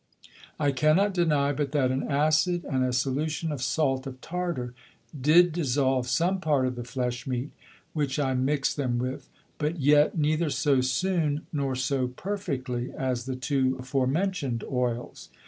I cannot deny but that an Acid, and a Solution of Salt of Tartar, did dissolve some part of the Flesh meat, which I mix'd them with, but yet neither so soon, nor so perfectly as the two forementioned Oils.